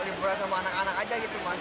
liburan sama anak anak aja gitu mas